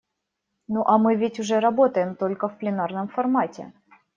Ну а мы ведь уже работаем только в пленарном формате.